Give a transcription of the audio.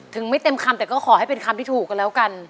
ไม่เต็มคำแต่ก็ขอให้เป็นคำที่ถูกกันแล้วกัน